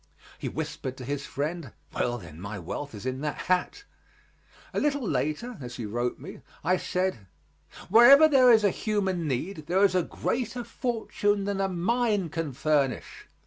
He whispered to his friend, "Well, then, my wealth is in that hat." A little later, as he wrote me, I said, "Wherever there is a human need there is a greater fortune than a mine can furnish."